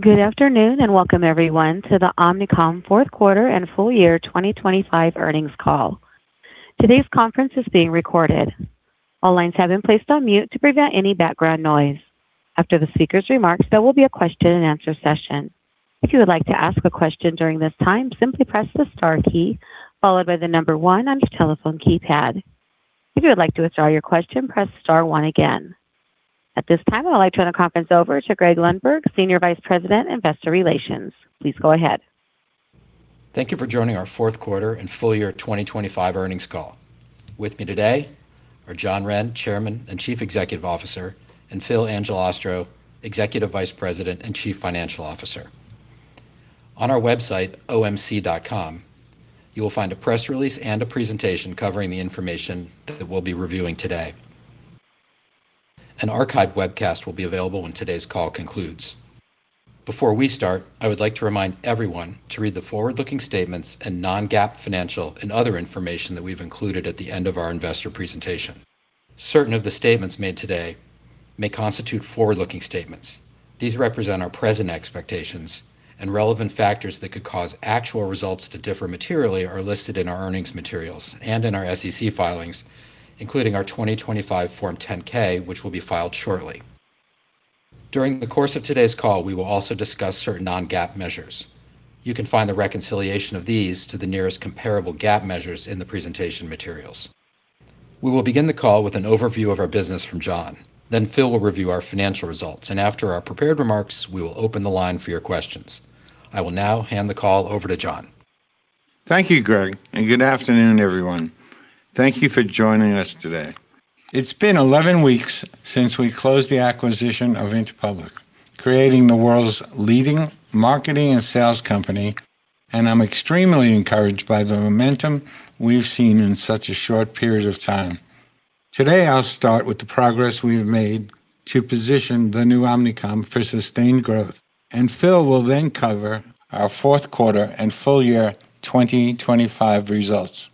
Good afternoon, and welcome everyone to the Omnicom Fourth Quarter and Full Year 2025 Earnings Call. Today's conference is being recorded. All lines have been placed on mute to prevent any background noise. After the speaker's remarks, there will be a question-and-answer session. If you would like to ask a question during this time, simply press the star key followed by the number one on your telephone keypad. If you would like to withdraw your question, press star one again. At this time, I'd like to turn the conference over to Greg Lundberg, Senior Vice President, Investor Relations. Please go ahead. Thank you for joining our fourth quarter and full year 2025 earnings call. With me today are John Wren, Chairman and Chief Executive Officer, and Phil Angelastro, Executive Vice President and Chief Financial Officer. On our website, omc.com, you will find a press release and a presentation covering the information that we'll be reviewing today. An archive webcast will be available when today's call concludes. Before we start, I would like to remind everyone to read the forward-looking statements and non-GAAP financial and other information that we've included at the end of our investor presentation. Certain of the statements made today may constitute forward-looking statements. These represent our present expectations, and relevant factors that could cause actual results to differ materially are listed in our earnings materials and in our SEC filings, including our 2025 Form 10-K, which will be filed shortly. During the course of today's call, we will also discuss certain non-GAAP measures. You can find the reconciliation of these to the nearest comparable GAAP measures in the presentation materials. We will begin the call with an overview of our business from John. Then Phil will review our financial results, and after our prepared remarks, we will open the line for your questions. I will now hand the call over to John. Thank you, Greg, and good afternoon, everyone. Thank you for joining us today. It's been 11 weeks since we closed the acquisition of Interpublic, creating the world's leading marketing and sales company, and I'm extremely encouraged by the momentum we've seen in such a short period of time. Today, I'll start with the progress we have made to position the new Omnicom for sustained growth, and Phil will then cover our fourth quarter and full-year 2025 results.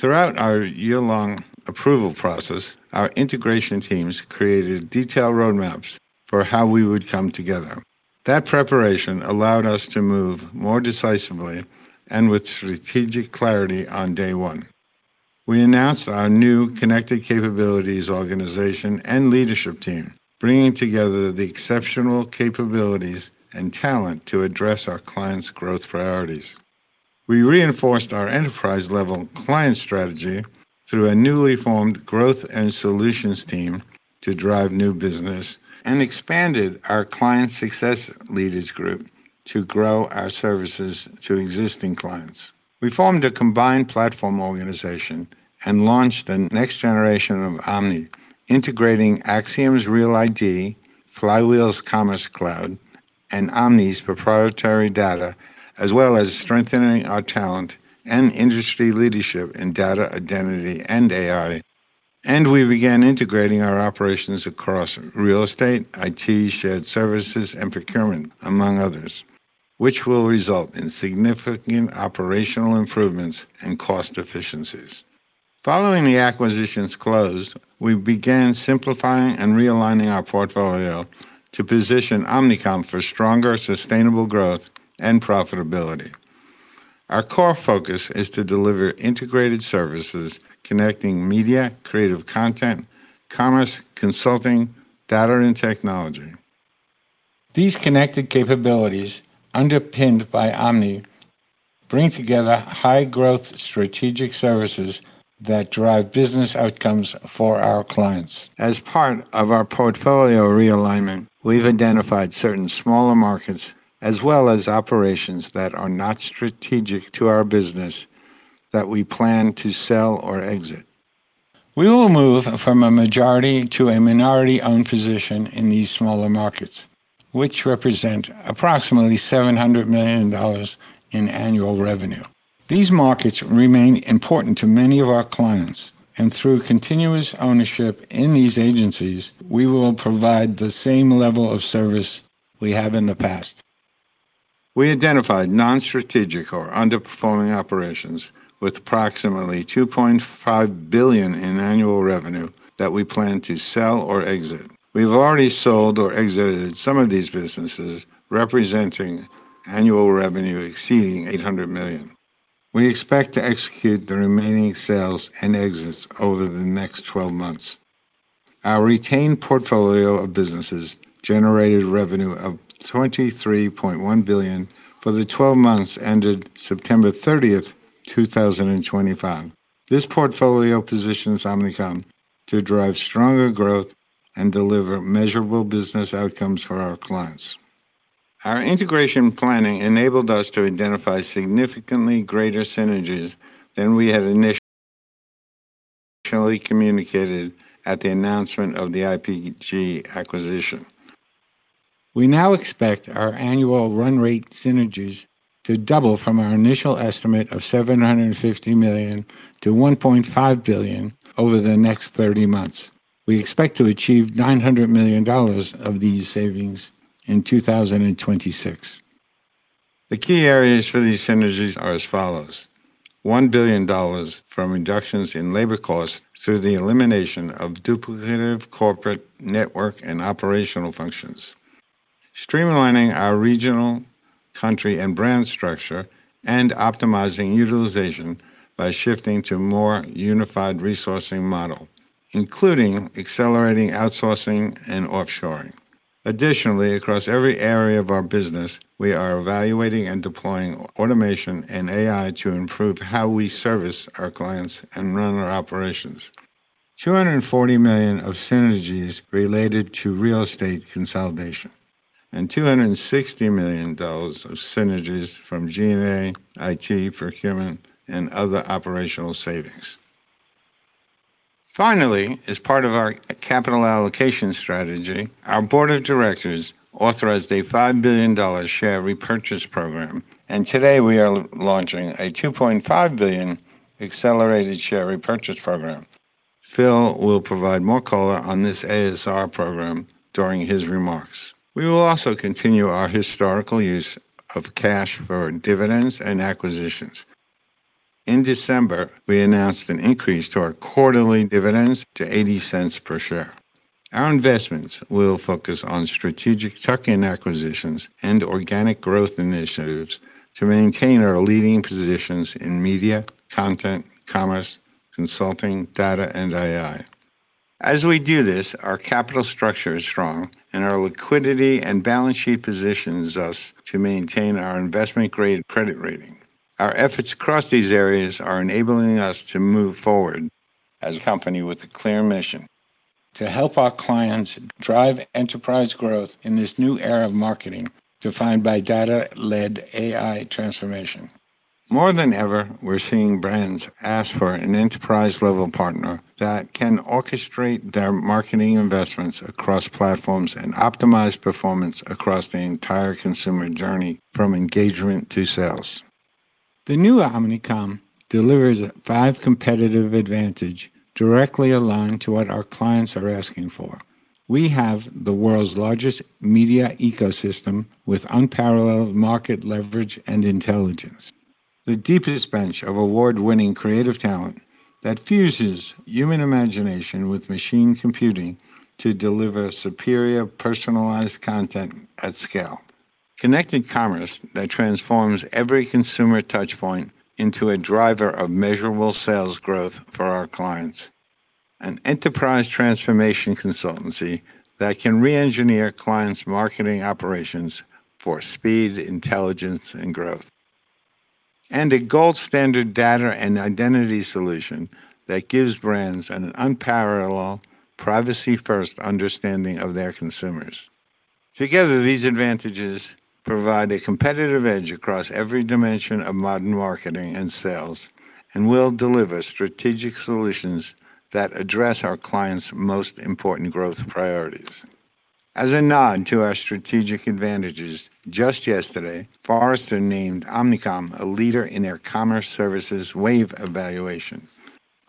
Throughout our year-long approval process, our integration teams created detailed roadmaps for how we would come together. That preparation allowed us to move more decisively and with strategic clarity on day one. We announced our new connected capabilities, organization, and leadership team, bringing together the exceptional capabilities and talent to address our clients' growth priorities. We reinforced our enterprise-level client strategy through a newly formed Growth and Solutions team to drive new business and expanded our Client Success Leaders group to grow our services to existing clients. We formed a combined platform organization and launched the next generation of Omni, integrating Acxiom's Real ID, Flywheel's Commerce Cloud, and Omni's proprietary data, as well as strengthening our talent and industry leadership in data, identity, and AI. We began integrating our operations across real estate, IT, shared services, and procurement, among others, which will result in significant operational improvements and cost efficiencies. Following the acquisition's close, we began simplifying and realigning our portfolio to position Omnicom for stronger, sustainable growth and profitability. Our core focus is to deliver integrated services, connecting media, creative content, Commerce, consulting, data, and technology. These connected capabilities, underpinned by Omni, bring together high-growth strategic services that drive business outcomes for our clients. As part of our portfolio realignment, we've identified certain smaller markets, as well as operations that are not strategic to our business, that we plan to sell or exit. We will move from a majority to a minority-owned position in these smaller markets, which represent approximately $700 million in annual revenue. These markets remain important to many of our clients, and through continuous ownership in these agencies, we will provide the same level of service we have in the past. We identified non-strategic or underperforming operations with approximately $2.5 billion in annual revenue that we plan to sell or exit. We've already sold or exited some of these businesses, representing annual revenue exceeding $800 million. We expect to execute the remaining sales and exits over the next 12 months. Our retained portfolio of businesses generated revenue of $23.1 billion for the 12 months ended September 30th, 2025. This portfolio positions Omnicom to drive stronger growth and deliver measurable business outcomes for our clients. Our integration planning enabled us to identify significantly greater synergies than we had initially communicated at the announcement of the IPG acquisition. We now expect our annual run rate synergies to double from our initial estimate of $750 million to $1.5 billion over the next 30 months. We expect to achieve $900 million of these savings in 2026. The key areas for these synergies are as follows: $1 billion from reductions in labor costs through the elimination of duplicative corporate network and operational functions, streamlining our regional, country, and brand structure, and optimizing utilization by shifting to a more unified resourcing model, including accelerating outsourcing and offshoring. Additionally, across every area of our business, we are evaluating and deploying automation and AI to improve how we service our clients and run our operations. $240 million of synergies related to real estate consolidation, and $260 million of synergies from G&A, IT, procurement, and other operational savings. Finally, as part of our capital allocation strategy, our Board of Directors authorized a $5 billion share repurchase program, and today we are launching a $2.5 billion accelerated share repurchase program. Phil will provide more color on this ASR program during his remarks. We will also continue our historical use of cash for dividends and acquisitions. In December, we announced an increase to our quarterly dividends to $0.80 per share. Our investments will focus on strategic tuck-in acquisitions and organic growth initiatives to maintain our leading positions in media, content, commerce, consulting, data, and AI. As we do this, our capital structure is strong, and our liquidity and balance sheet positions us to maintain our investment-grade credit rating. Our efforts across these areas are enabling us to move forward as a company with a clear mission: to help our clients drive enterprise growth in this new era of marketing, defined by data-led AI transformation. More than ever, we're seeing brands ask for an enterprise-level partner that can orchestrate their marketing investments across platforms and optimize performance across the entire consumer journey, from engagement to sales. The new Omnicom delivers a five competitive advantage directly aligned to what our clients are asking for. We have the world's largest media ecosystem, with unparalleled market leverage and intelligence, the deepest bench of award-winning creative talent that fuses human imagination with machine computing to deliver superior personalized content at scale, connected Commerce that transforms every consumer touchpoint into a driver of measurable sales growth for our clients, an enterprise transformation consultancy that can re-engineer clients' marketing operations for speed, intelligence, and growth, and a gold-standard data and identity solution that gives brands an unparalleled, privacy-first understanding of their consumers. Together, these advantages provide a competitive edge across every dimension of modern marketing and sales and will deliver strategic solutions that address our clients' most important growth priorities. As a nod to our strategic advantages, just yesterday, Forrester named Omnicom a leader in their Commerce Services Wave evaluation.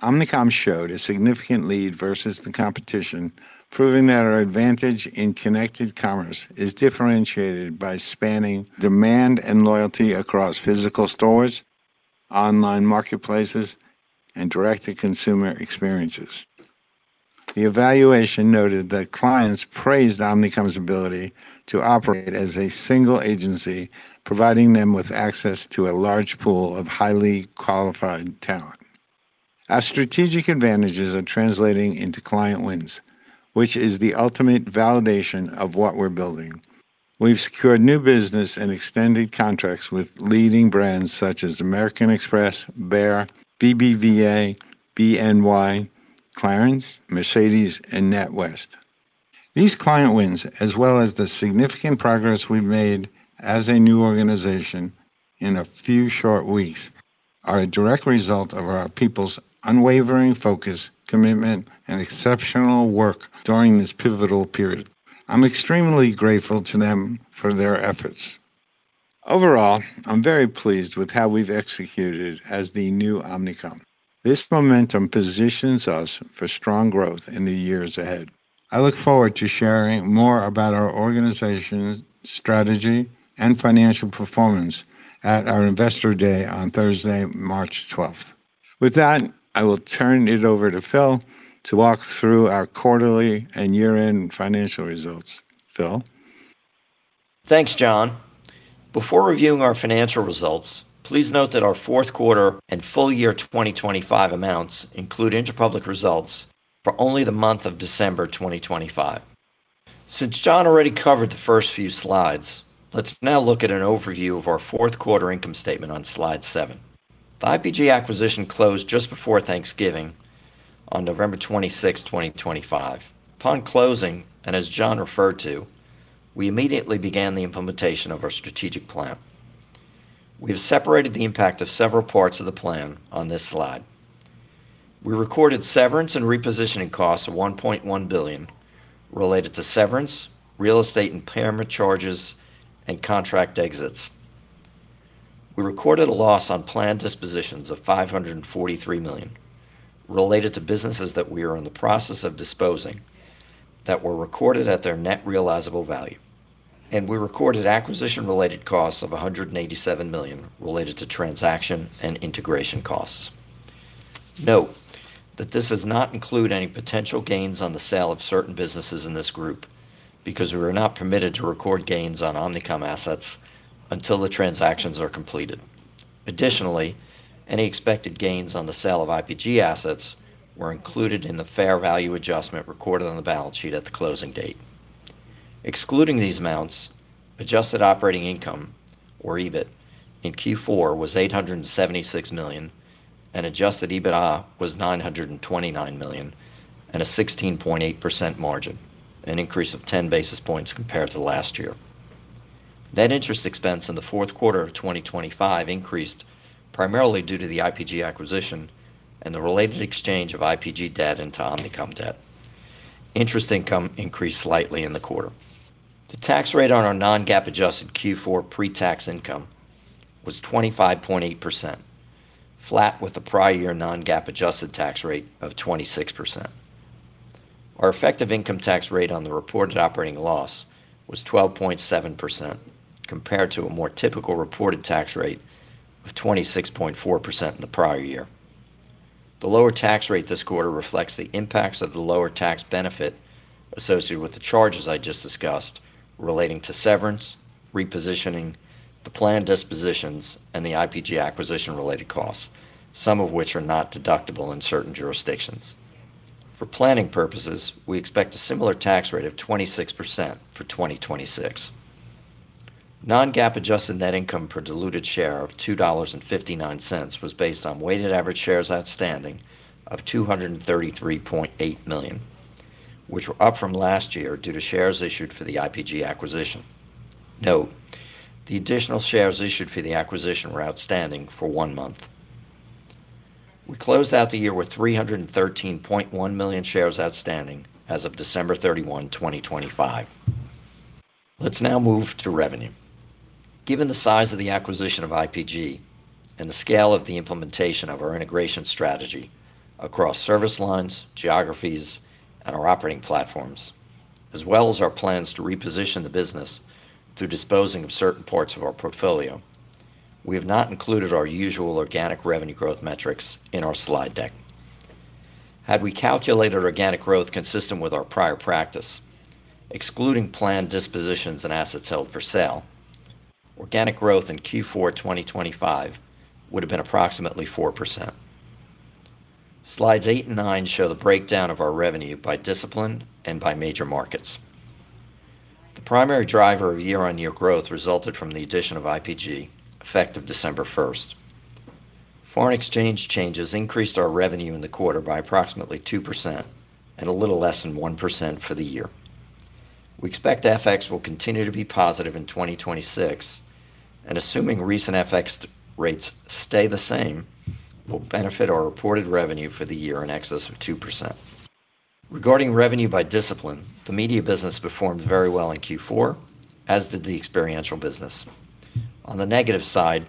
Omnicom showed a significant lead versus the competition, proving that our advantage in connected Commerce is differentiated by spanning demand and loyalty across physical stores, online marketplaces, and direct-to-consumer experiences. The evaluation noted that clients praised Omnicom's ability to operate as a single agency, providing them with access to a large pool of highly qualified talent. Our strategic advantages are translating into client wins, which is the ultimate validation of what we're building. We've secured new business and extended contracts with leading brands such as American Express, Bayer, BBVA, BNY, Clarins, Mercedes, and NatWest. These client wins, as well as the significant progress we've made as a new organization in a few short weeks, are a direct result of our people's unwavering focus, commitment, and exceptional work during this pivotal period. I'm extremely grateful to them for their efforts. Overall, I'm very pleased with how we've executed as the new Omnicom. This momentum positions us for strong growth in the years ahead. I look forward to sharing more about our organization, strategy, and financial performance at our Investor Day on Thursday, March 12th. With that, I will turn it over to Phil to walk through our quarterly and year-end financial results. Phil? Thanks, John. Before reviewing our financial results, please note that our fourth quarter and full-year 2025 amounts include Interpublic results for only the month of December 2025. Since John already covered the first few slides, let's now look at an overview of our fourth quarter income statement on Slide 7. The IPG acquisition closed just before Thanksgiving on November 26, 2025. Upon closing, and as John referred to, we immediately began the implementation of our strategic plan. We have separated the impact of several parts of the plan on this slide. We recorded severance and repositioning costs of $1.1 billion related to severance, real estate impairment charges, and contract exits. We recorded a loss on planned dispositions of $543 million related to businesses that we are in the process of disposing, that were recorded at their net realizable value, and we recorded acquisition-related costs of $187 million related to transaction and integration costs. Note that this does not include any potential gains on the sale of certain businesses in this group, because we are not permitted to record gains on Omnicom assets until the transactions are completed. Additionally, any expected gains on the sale of IPG assets were included in the fair value adjustment recorded on the balance sheet at the closing date. Excluding these amounts, adjusted operating income, or EBIT, in Q4 was $876 million, and adjusted EBITDA was $929 million at a 16.8% margin, an increase of 10 basis points compared to last year. Net interest expense in the fourth quarter of 2025 increased primarily due to the IPG acquisition and the related exchange of IPG debt into Omnicom debt. Interest income increased slightly in the quarter. The tax rate on our non-GAAP adjusted Q4 pre-tax income was 25.8%, flat with the prior-year non-GAAP adjusted tax rate of 26%. Our effective income tax rate on the reported operating loss was 12.7%, compared to a more typical reported tax rate of 26.4% in the prior year. The lower tax rate this quarter reflects the impacts of the lower tax benefit associated with the charges I just discussed relating to severance, repositioning, the planned dispositions, and the IPG acquisition-related costs, some of which are not deductible in certain jurisdictions. For planning purposes, we expect a similar tax rate of 26% for 2026. Non-GAAP adjusted net income per diluted share of $2.59 was based on weighted average shares outstanding of 233.8 million, which were up from last year due to shares issued for the IPG acquisition. Note, the additional shares issued for the acquisition were outstanding for one month. We closed out the year with 313.1 million shares outstanding as of December 31, 2025. Let's now move to revenue. Given the size of the acquisition of IPG and the scale of the implementation of our integration strategy across service lines, geographies, and our operating platforms, as well as our plans to reposition the business through disposing of certain parts of our portfolio, we have not included our usual organic revenue growth metrics in our slide deck. Had we calculated organic growth consistent with our prior practice, excluding planned dispositions and assets held for sale, organic growth in Q4 2025 would have been approximately 4%. Slides 8 and 9 show the breakdown of our revenue by discipline and by major markets. The primary driver of year-on-year growth resulted from the addition of IPG, effective December 1st. Foreign exchange changes increased our revenue in the quarter by approximately 2% and a little less than 1% for the year. We expect FX will continue to be positive in 2026, and assuming recent FX rates stay the same, will benefit our reported revenue for the year in excess of 2%. Regarding revenue by discipline, the Media business performed very well in Q4, as did the Experiential business. On the negative side,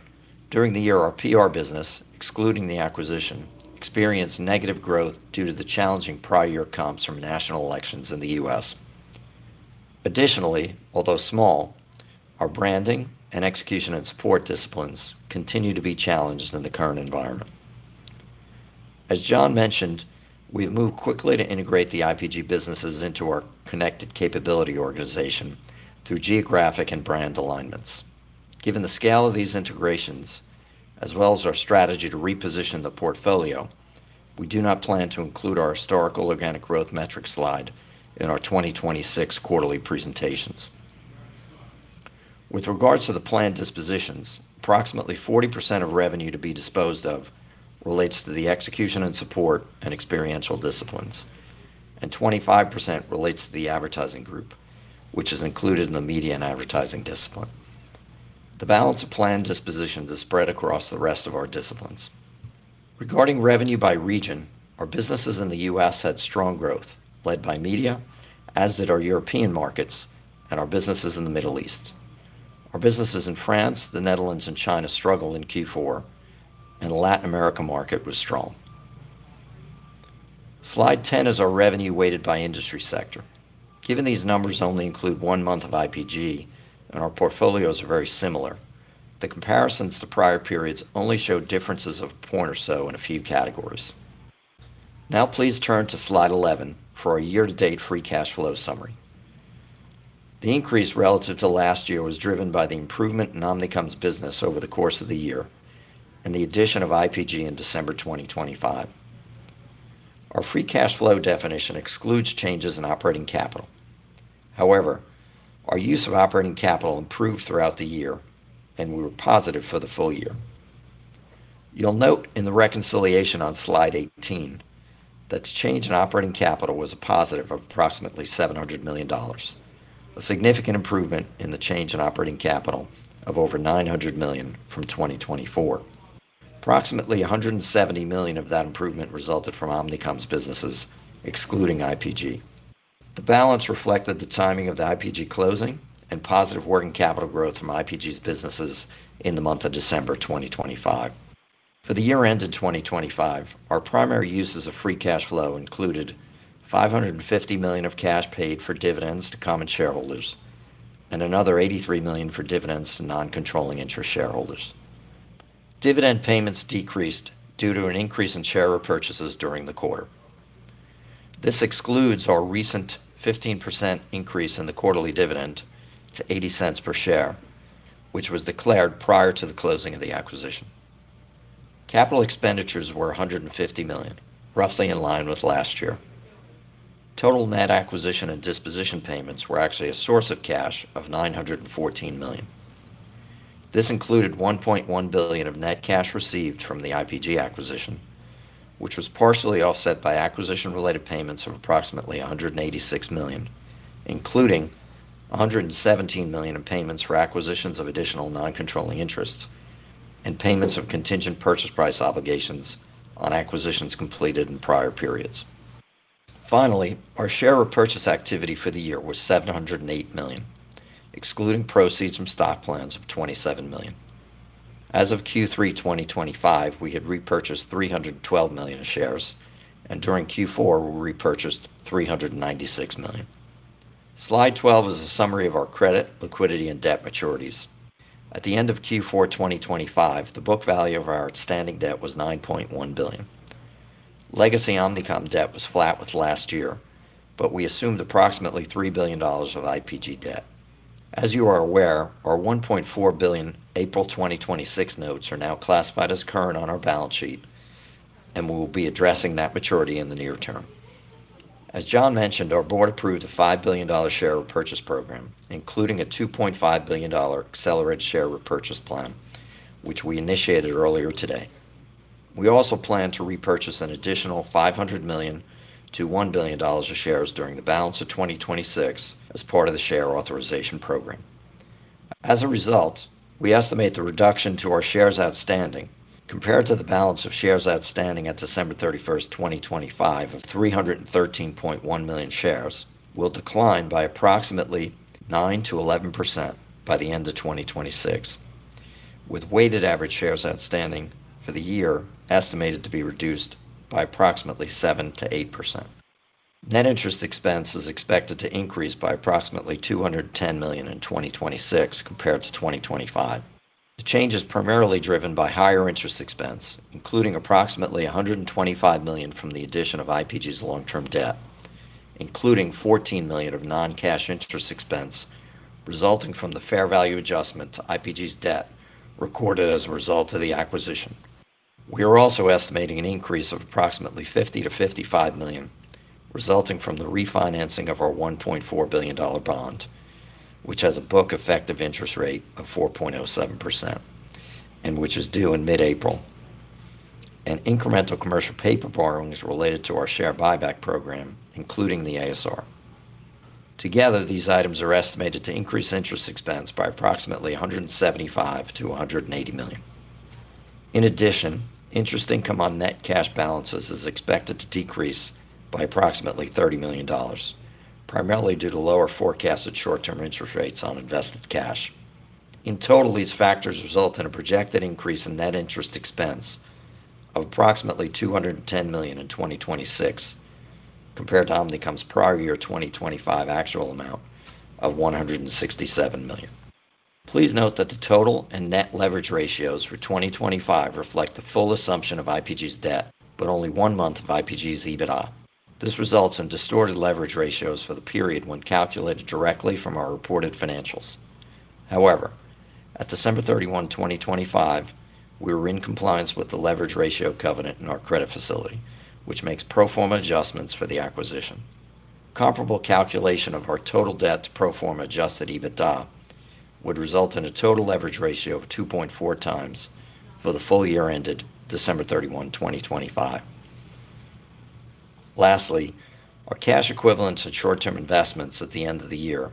during the year, our PR business, excluding the acquisition, experienced negative growth due to the challenging prior year comps from national elections in the U.S. Additionally, although small, our branding and execution and support disciplines continue to be challenged in the current environment. As John mentioned, we have moved quickly to integrate the IPG businesses into our connected capability organization through geographic and brand alignments. Given the scale of these integrations, as well as our strategy to reposition the portfolio, we do not plan to include our historical organic growth metric slide in our 2026 quarterly presentations. With regards to the planned dispositions, approximately 40% of revenue to be disposed of relates to the execution and support and Experiential disciplines, and 25% relates to the advertising group, which is included in the Media and Advertising discipline. The balance of planned dispositions is spread across the rest of our disciplines. Regarding revenue by region, our businesses in the U.S. had strong growth, led by Media, as did our European markets and our businesses in the Middle East. Our businesses in France, the Netherlands, and China struggled in Q4, and the Latin America market was strong. Slide 10 is our revenue weighted by industry sector. Given these numbers only include one month of IPG and our portfolios are very similar, the comparisons to prior periods only show differences of a point or so in a few categories. Now, please turn to Slide 11 for our year-to-date free cash flow summary. The increase relative to last year was driven by the improvement in Omnicom's business over the course of the year and the addition of IPG in December 2025. Our free cash flow definition excludes changes in operating capital. However, our use of operating capital improved throughout the year, and we were positive for the full year. You'll note in the reconciliation on Slide 18 that the change in operating capital was a positive of approximately $700 million, a significant improvement in the change in operating capital of over $900 million from 2024. Approximately $170 million of that improvement resulted from Omnicom's businesses, excluding IPG. The balance reflected the timing of the IPG closing and positive working capital growth from IPG's businesses in the month of December 2025. For the year ended 2025, our primary uses of free cash flow included $550 million of cash paid for dividends to common shareholders, and another $83 million for dividends to non-controlling interest shareholders. Dividend payments decreased due to an increase in share repurchases during the quarter. This excludes our recent 15% increase in the quarterly dividend to $0.80 per share, which was declared prior to the closing of the acquisition. Capital expenditures were $150 million, roughly in line with last year. Total net acquisition and disposition payments were actually a source of cash of $914 million. This included $1.1 billion of net cash received from the IPG acquisition, which was partially offset by acquisition-related payments of approximately $186 million, including $117 million in payments for acquisitions of additional non-controlling interests and payments of contingent purchase price obligations on acquisitions completed in prior periods. Finally, our share repurchase activity for the year was $708 million, excluding proceeds from stock plans of $27 million. As of Q3 2025, we had repurchased 312 million shares, and during Q4, we repurchased 396 million. Slide 12 is a summary of our credit, liquidity, and debt maturities. At the end of Q4 2025, the book value of our outstanding debt was $9.1 billion. Legacy Omnicom debt was flat with last year, but we assumed approximately $3 billion of IPG debt. As you are aware, our $1.4 billion April 2026 notes are now classified as current on our balance sheet, and we will be addressing that maturity in the near term. As John mentioned, our board approved a $5 billion share repurchase program, including a $2.5 billion accelerated share repurchase plan, which we initiated earlier today. We also plan to repurchase an additional $500 million-$1 billion of shares during the balance of 2026 as part of the share authorization program. As a result, we estimate the reduction to our shares outstanding compared to the balance of shares outstanding at December 31st, 2025, of 313.1 million shares, will decline by approximately 9%-11% by the end of 2026, with weighted average shares outstanding for the year estimated to be reduced by approximately 7%-8%. Net interest expense is expected to increase by approximately $210 million in 2026 compared to 2025. The change is primarily driven by higher interest expense, including approximately $125 million from the addition of IPG's long-term debt, including $14 million of non-cash interest expense resulting from the fair value adjustment to IPG's debt recorded as a result of the acquisition. We are also estimating an increase of approximately $50 million-$55 million, resulting from the refinancing of our $1.4 billion bond, which has a book effective interest rate of 4.07% and which is due in mid-April, and incremental commercial paper borrowings related to our share buyback program, including the ASR. Together, these items are estimated to increase interest expense by approximately $175 million-$180 million. In addition, interest income on net cash balances is expected to decrease by approximately $30 million, primarily due to lower forecasted short-term interest rates on invested cash. In total, these factors result in a projected increase in net interest expense of approximately $210 million in 2026, compared to Omnicom's prior-year 2025 actual amount of $167 million. Please note that the total and net leverage ratios for 2025 reflect the full assumption of IPG's debt, but only one month of IPG's EBITDA. This results in distorted leverage ratios for the period when calculated directly from our reported financials. However, at December 31, 2025, we were in compliance with the leverage ratio covenant in our credit facility, which makes pro forma adjustments for the acquisition. Comparable calculation of our total debt to pro forma adjusted EBITDA would result in a total leverage ratio of 2.4x for the full-year ended December 31, 2025. Lastly, our cash equivalents and short-term investments at the end of the year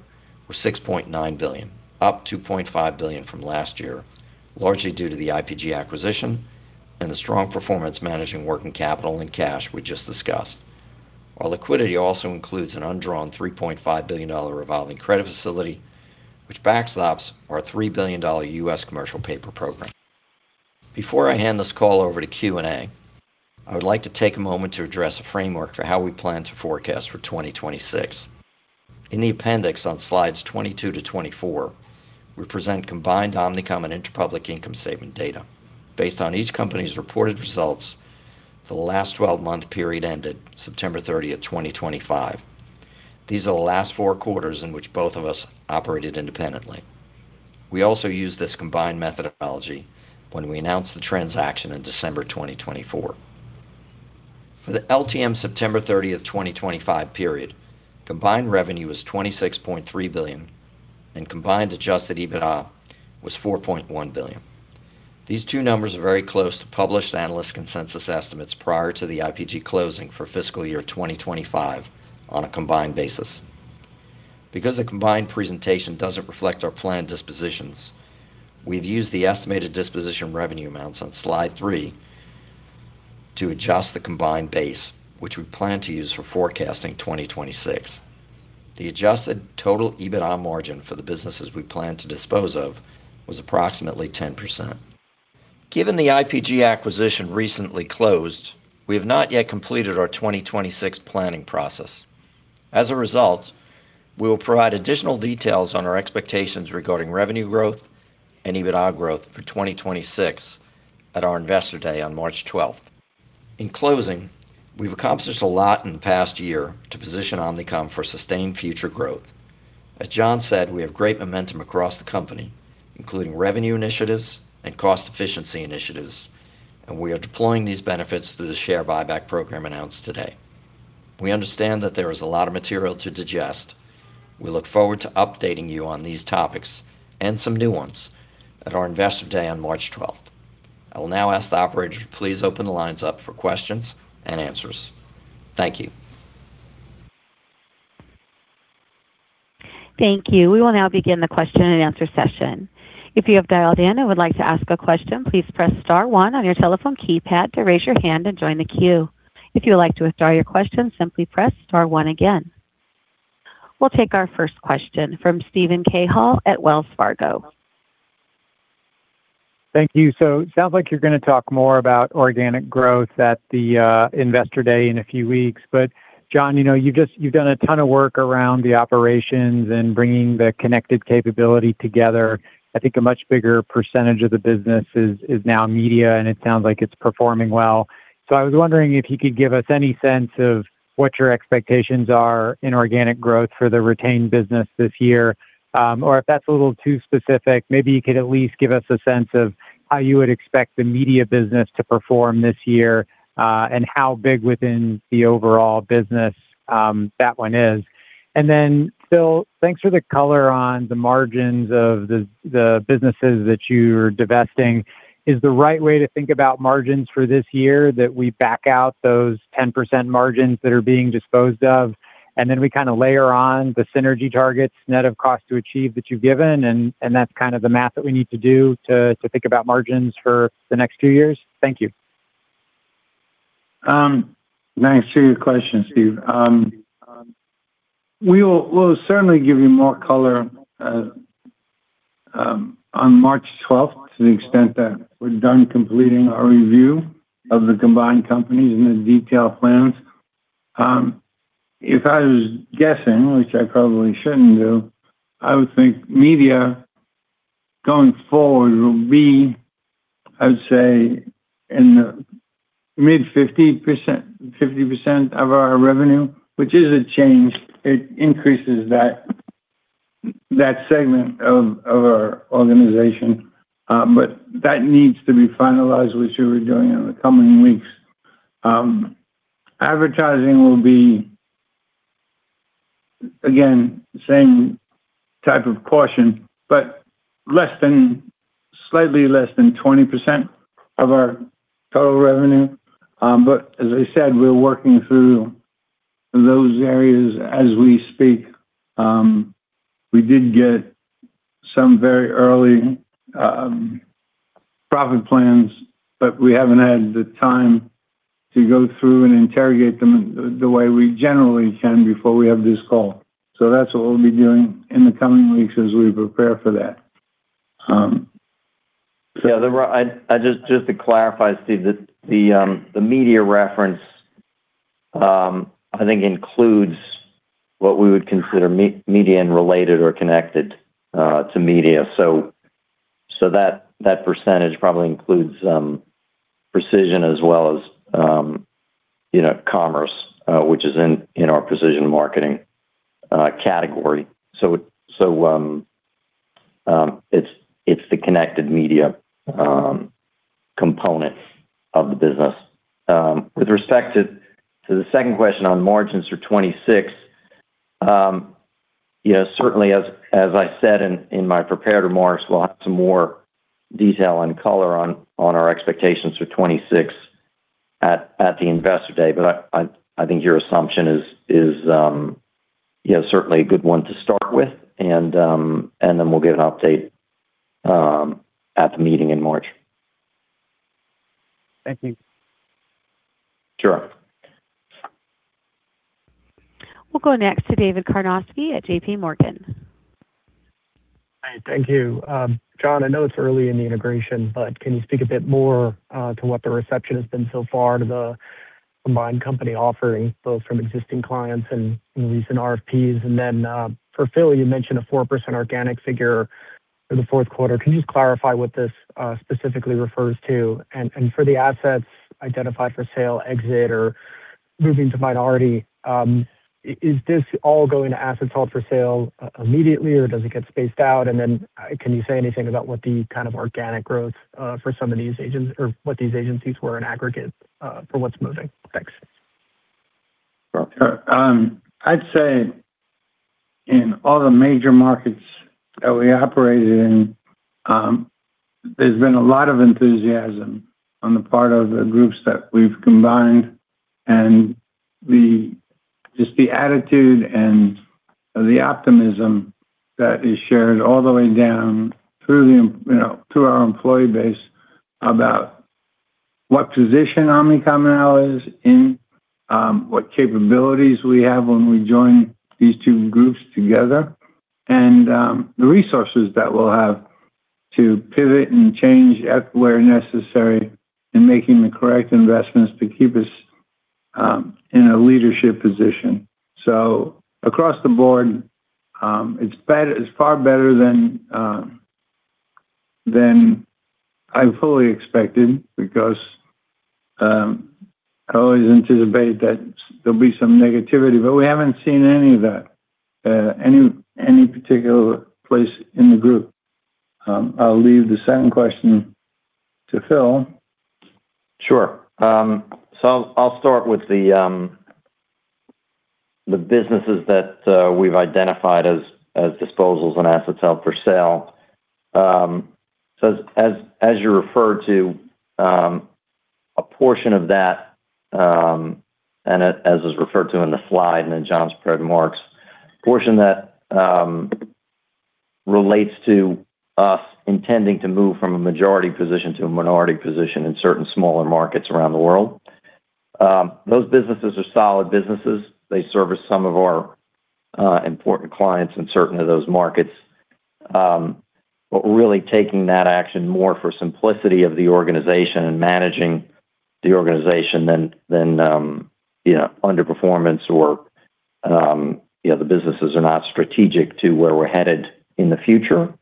were $6.9 billion, up $2.5 billion from last year, largely due to the IPG acquisition and the strong performance managing working capital and cash we just discussed. Our liquidity also includes an undrawn $3.5 billion revolving credit facility, which backstops our $3 billion U.S. commercial paper program. Before I hand this call over to Q&A, I would like to take a moment to address a framework for how we plan to forecast for 2026. In the appendix on Slides 22 to 24, we present combined Omnicom and Interpublic income statement data based on each company's reported results for the last twelve-month period ended September 30th, 2025. These are the last four quarters in which both of us operated independently. We also used this combined methodology when we announced the transaction in December 2024. For the LTM September 30th, 2025 period, combined revenue was $26.3 billion, and combined adjusted EBITDA was $4.1 billion. These two numbers are very close to published analyst consensus estimates prior to the IPG closing for fiscal year 2025 on a combined basis. Because the combined presentation doesn't reflect our planned dispositions, we've used the estimated disposition revenue amounts on Slide 3 to adjust the combined base, which we plan to use for forecasting 2026. The adjusted total EBITDA margin for the businesses we plan to dispose of was approximately 10%. Given the IPG acquisition recently closed, we have not yet completed our 2026 planning process. As a result, we will provide additional details on our expectations regarding revenue growth and EBITDA growth for 2026 at our Investor Day on March 12th. In closing, we've accomplished a lot in the past year to position Omnicom for sustained future growth. As John said, we have great momentum across the company, including revenue initiatives and cost efficiency initiatives, and we are deploying these benefits through the share buyback program announced today. We understand that there is a lot of material to digest. We look forward to updating you on these topics and some new ones at our Investor Day on March 12th. I will now ask the operator to please open the lines up for questions and answers. Thank you. Thank you. We will now begin the question-and-answer session. If you have dialed in and would like to ask a question, please press star one on your telephone keypad to raise your hand and join the queue. If you would like to withdraw your question, simply press star one again. We'll take our first question from Steven Cahall at Wells Fargo. Thank you. So it sounds like you're gonna talk more about organic growth at the Investor Day in a few weeks. But John, you know, you've just-- you've done a ton of work around the operations and bringing the connected capability together. I think a much bigger percentage of the business is now Media, and it sounds like it's performing well. So I was wondering if you could give us any sense of what your expectations are in organic growth for the retained business this year. Or if that's a little too specific, maybe you could at least give us a sense of how you would expect the Media business to perform this year, and how big within the overall business, that one is. And then, Phil, thanks for the color on the margins of the, the businesses that you're divesting. Is the right way to think about margins for this year, that we back out those 10% margins that are being disposed of, and then we kinda layer on the synergy targets, net of cost to achieve that you've given, and that's kind of the math that we need to do to think about margins for the next two years? Thank you. Thanks for your question, Steve. We'll certainly give you more color on March 12th, to the extent that we're done completing our review of the combined companies and the detailed plans. If I was guessing, which I probably shouldn't do, I would think Media, going forward, will be, I would say, in the mid-50%, 50% of our revenue, which is a change. It increases that segment of our organization, but that needs to be finalized, which we were doing in the coming weeks. Advertising will be, again, same type of caution, but less than, slightly less than 20% of our total revenue. But as I said, we're working through those areas as we speak. We did get some very early profit plans, but we haven't had the time to go through and interrogate them the way we generally can before we have this call. So that's what we'll be doing in the coming weeks as we prepare for that. Yeah, I just, just to clarify, Steve, the Media reference, I think includes what we would consider Media and related or connected to Media. That percentage probably includes Precision as well as, you know, Commerce, which is in our Precision Marketing category. It's the Connected Media component of the business. With respect to the second question on margins for 2026, certainly as I said in my prepared remarks, we'll have some more detail and color on our expectations for 2026 at the Investor Day. I think your assumption is certainly a good one to start with, and then we'll give an update at the meeting in March. Thank you. Sure. We'll go next to David Karnovsky at JPMorgan. Hi, thank you. John, I know it's early in the integration, but can you speak a bit more to what the reception has been so far to the combined company offering, both from existing clients and recent RFPs? And then, for Phil, you mentioned a 4% organic figure for the fourth quarter. Can you just clarify what this specifically refers to? And for the assets identified for sale, exit, or moving to minority, is this all going to assets held for sale immediately, or does it get spaced out? And then, can you say anything about what the kind of organic growth for some of these agents or what these agencies were in aggregate for what's moving? Thanks. I'd say in all the major markets that we operated in, there's been a lot of enthusiasm on the part of the groups that we've combined. Just the attitude and the optimism that is shared all the way down through, you know, through our employee base about what position Omnicom now is in, what capabilities we have when we join these two groups together, and the resources that we'll have to pivot and change at where necessary in making the correct investments to keep us in a leadership position. So across the board, it's better, it's far better than I fully expected, because I always anticipate that there'll be some negativity, but we haven't seen any of that, any particular place in the group. I'll leave the second question to Phil. Sure. So I'll start with the businesses that we've identified as disposals and assets held for sale. So as you referred to, a portion of that, and as is referred to in the slide and in John's prepared remarks, portion that relates to us intending to move from a majority position to a minority position in certain smaller markets around the world. Those businesses are solid businesses. They service some of our important clients in certain of those markets. But we're really taking that action more for simplicity of the organization and managing the organization than underperformance or, you know, the businesses are not strategic to where we're headed in the future.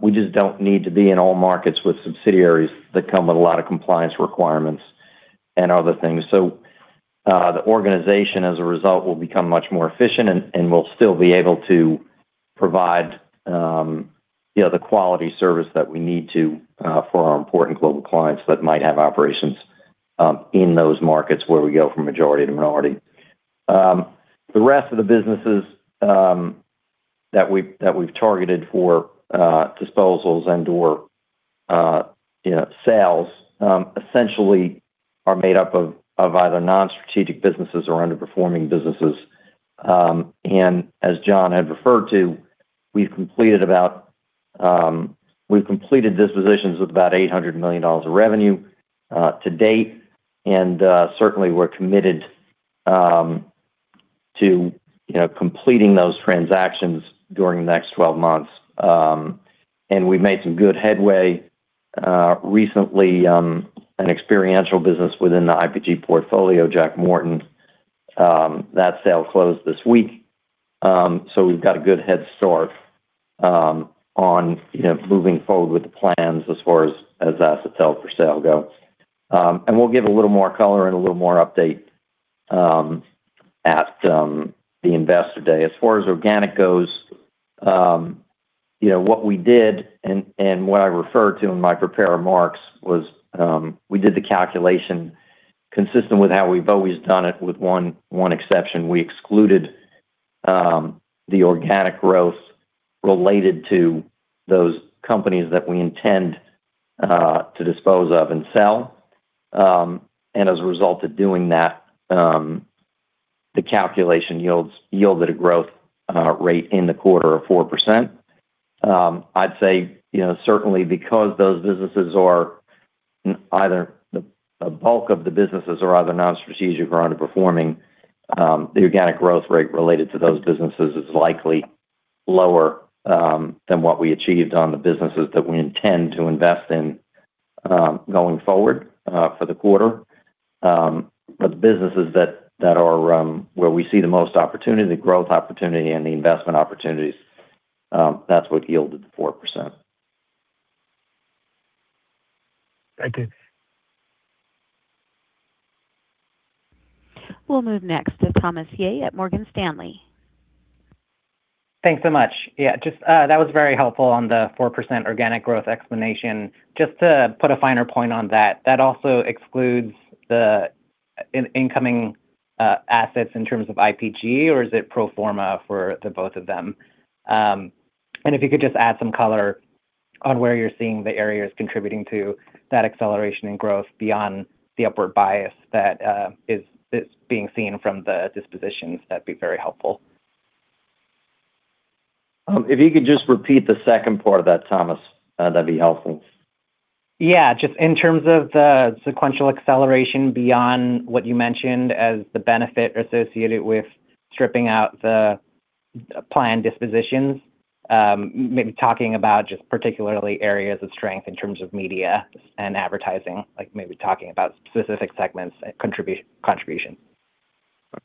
We just don't need to be in all markets with subsidiaries that come with a lot of compliance requirements and other things. So, the organization, as a result, will become much more efficient and we'll still be able to provide, you know, the quality service that we need to for our important global clients that might have operations in those markets where we go from majority to minority. The rest of the businesses that we, that we've targeted for disposals and/or, you know, sales essentially are made up of either non-strategic businesses or underperforming businesses. And as John had referred to, we've completed dispositions of about $800 million of revenue to date, and certainly we're committed to, you know, completing those transactions during the next 12 months. And we've made some good headway recently, an Experiential business within the IPG portfolio, Jack Morton, that sale closed this week. So we've got a good head start, you know, moving forward with the plans as far as assets held for sale go. And we'll give a little more color and a little more update at the Investor Day. As far as organic goes, you know, what we did and what I referred to in my prepared remarks was, we did the calculation consistent with how we've always done it, with one exception. We excluded the organic growth related to those companies that we intend to dispose of and sell. And as a result of doing that, the calculation yielded a growth rate in the quarter of 4%. I'd say, you know, certainly because those businesses are either a bulk of the businesses are either non-strategic or underperforming, the organic growth rate related to those businesses is likely lower than what we achieved on the businesses that we intend to invest in, going forward, for the quarter. But the businesses that are where we see the most opportunity, the growth opportunity and the investment opportunities, that's what yielded the 4%. Thank you. We'll move next to Thomas Yeh at Morgan Stanley. Thanks so much. Yeah, just, that was very helpful on the 4% organic growth explanation. Just to put a finer point on that, that also excludes the incoming assets in terms of IPG, or is it pro forma for the both of them? And if you could just add some color on where you're seeing the areas contributing to that acceleration in growth beyond the upward bias that is being seen from the dispositions, that'd be very helpful. If you could just repeat the second part of that, Thomas, that'd be helpful. Yeah. Just in terms of the sequential acceleration beyond what you mentioned as the benefit associated with stripping out the planned dispositions, maybe talking about just particularly areas of strength in terms of Media and Advertising, like maybe talking about specific segments and contribution.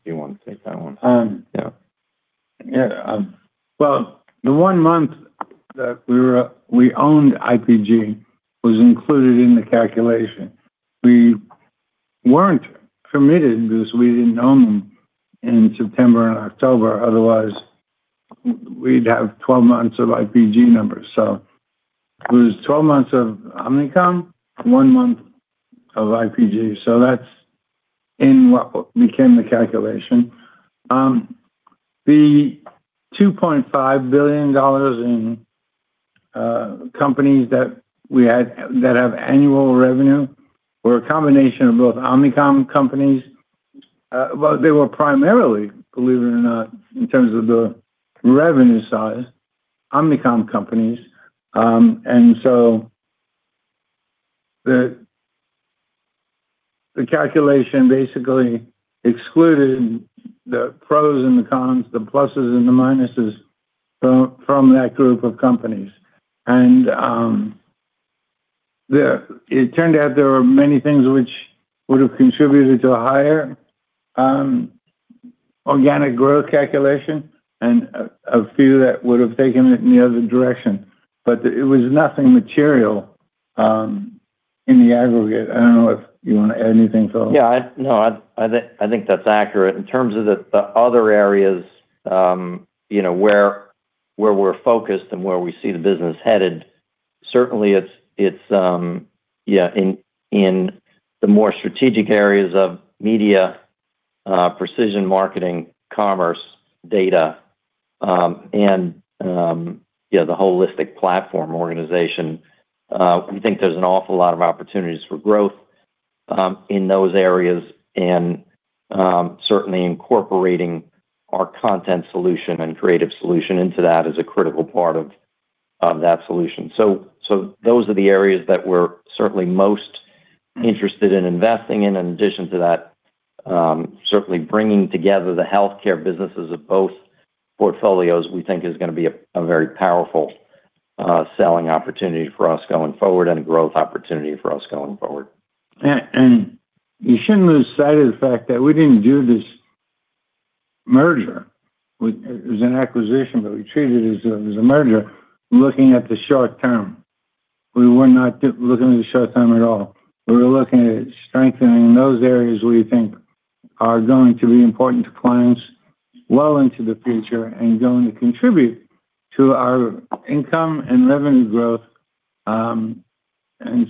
Do you want to take that one? Yeah, well, the one month that we owned IPG was included in the calculation. We weren't committed because we didn't own them in September and October. Otherwise, we'd have 12 months of IPG numbers. It was 12 months of Omnicom, one month of IPG, so that's in what became the calculation. The $2.5 billion in companies that we had, that have annual revenue, were a combination of both Omnicom companies, well, they were primarily, believe it or not, in terms of the revenue size, Omnicom companies. The calculation basically excluded the pros and the cons, the pluses and the minuses from that group of companies. It turned out there were many things which would have contributed to a higher organic growth calculation and a few that would have taken it in the other direction, but it was nothing material in the aggregate. I don't know if you want to add anything, Phil. Yeah, no, I think that's accurate. In terms of the other areas, you know, where we're focused and where we see the business headed, certainly it's yeah, in the more strategic areas of Media, Precision Marketing, Commerce, Data, and yeah, the holistic platform organization. We think there's an awful lot of opportunities for growth in those areas, and certainly incorporating our content solution and creative solution into that is a critical part of that solution. So those are the areas that we're certainly most interested in investing in. In addition to that, certainly bringing together the healthcare businesses of both portfolios, we think is gonna be a very powerful selling opportunity for us going forward and a growth opportunity for us going forward. You shouldn't lose sight of the fact that we didn't do this merger with—it was an acquisition, but we treated it as a merger, looking at the short term. We were not looking at the short term at all. We were looking at strengthening those areas we think are going to be important to clients well into the future and going to contribute to our income and revenue growth.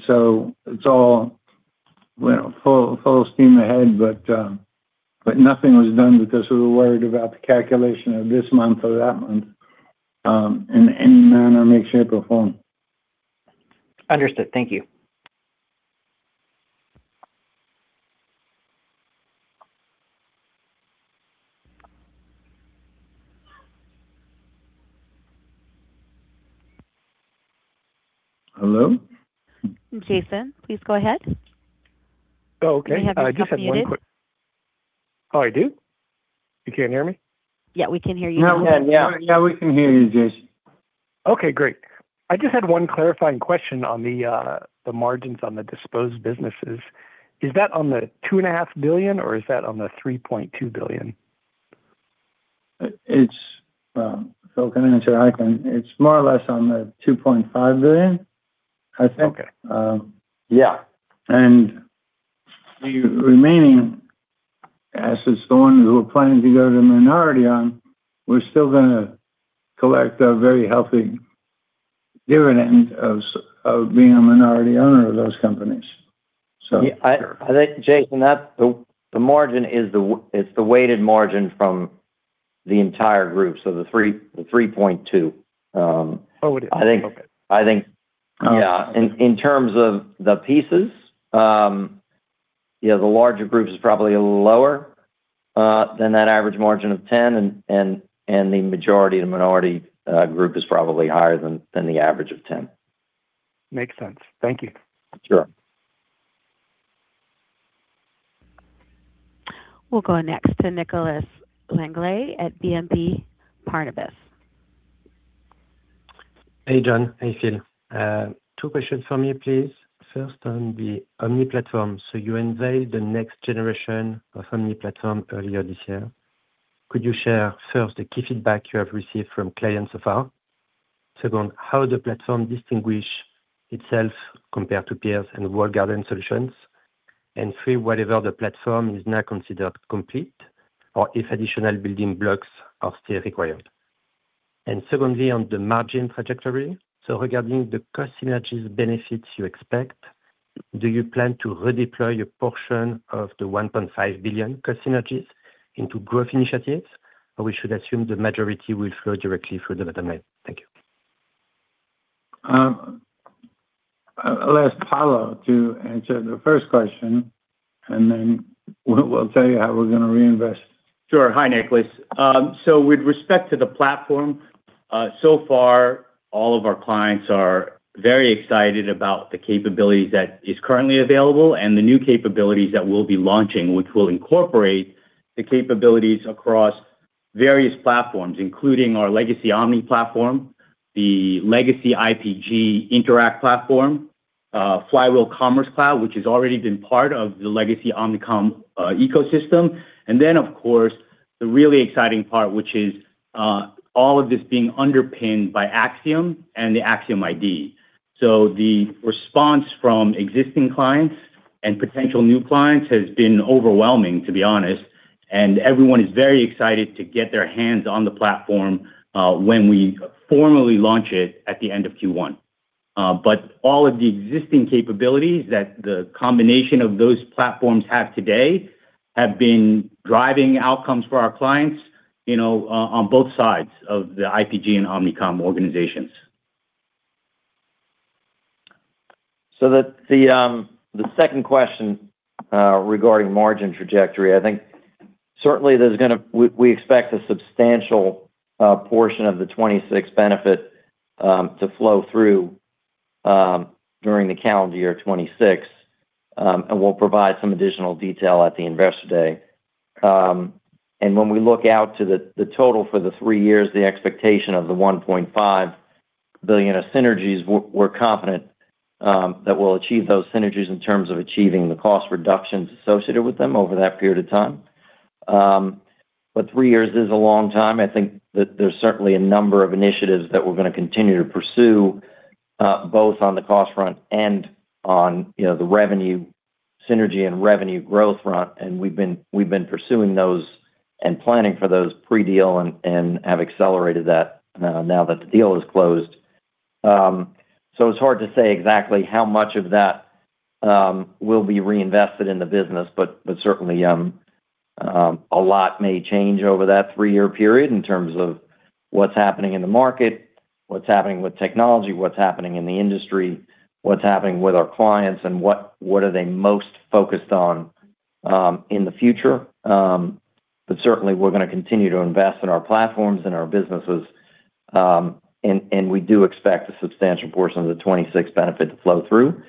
So it's all full steam ahead, but nothing was done because we were worried about the calculation of this month or that month in manner, shape, or form. Understood. Thank you. Hello? Jason, please go ahead. Oh, okay. We have you muted. I just had one quick-- Oh, I do? You can't hear me? Yeah, we can hear you now. Yeah. Yeah, we can hear you, Jason. Okay, great. I just had one clarifying question on the margins on the disposed businesses. Is that on the $2.5 billion, or is that on the $3.2 billion? It's Phil, can you answer that? It's more or less on the $2.5 billion, I think. Okay. Yeah. The remaining assets, the ones we were planning to go to minority on, we're still gonna collect a very healthy dividend of being a minority owner of those companies. So— Yeah, I think, Jason, that's the weighted margin from the entire group, so the $3.2 billion. Oh, it is. I think- Okay. I think- Got it. Yeah. In terms of the pieces, yeah, the larger group is probably a little lower than that average margin of 10%, and the majority of the minority group is probably higher than the average of 10%. Makes sense. Thank you. Sure. We'll go next to Nicolas Langlet at BNP Paribas. Hey, John. Hey, Phil. Two questions from me, please. First, on the Omni platform. So you unveiled the next generation of Omni platform earlier this year. Could you share first, the key feedback you have received from clients so far? Second, how the platform distinguish itself compared to peers and walled garden solutions? And three, whether the platform is now considered complete, or if additional building blocks are still required. And secondly, on the margin trajectory, so regarding the cost synergies benefits you expect, do you plan to redeploy a portion of the $1.5 billion cost synergies into growth initiatives, or we should assume the majority will flow directly through the bottom line? Thank you. I'll ask Paolo to answer the first question, and then Phil will tell you how we're gonna reinvest. Sure. Hi, Nicolas. So with respect to the platform, so far, all of our clients are very excited about the capabilities that is currently available and the new capabilities that we'll be launching, which will incorporate the capabilities across various platforms, including our legacy Omni platform, the Legacy IPG Interact platform, Flywheel Commerce Cloud, which has already been part of the Legacy Omnicom ecosystem. And then, of course, the really exciting part, which is, all of this being underpinned by Acxiom and the Acxiom ID. So the response from existing clients and potential new clients has been overwhelming, to be honest, and everyone is very excited to get their hands on the platform, when we formally launch it at the end of Q1. All of the existing capabilities that the combination of those platforms have today have been driving outcomes for our clients, you know, on both sides of the IPG and Omnicom organizations. The second question regarding margin trajectory, I think certainly there's gonna-- we expect a substantial portion of the 2026 benefit to flow through during the calendar year 2026, and we'll provide some additional detail at the Investor Day. When we look out to the total for the three years, the expectation of the $1.5 billion of synergies, we're confident that we'll achieve those synergies in terms of achieving the cost reductions associated with them over that period of time. Three years is a long time. I think that there's certainly a number of initiatives that we're gonna continue to pursue, you know, both on the cost front and on, you know, the revenue synergy and revenue growth front. We've been pursuing those and planning for those pre-deal and have accelerated that now that the deal is closed. It's hard to say exactly how much of that will be reinvested in the business, but certainly a lot may change over that three-year period in terms of what's happening in the market, what's happening with technology, what's happening in the industry, what's happening with our clients, and what they are most focused on in the future. But certainly, we're gonna continue to invest in our platforms and our businesses, and we do expect a substantial portion of the 2026 benefit to flow through.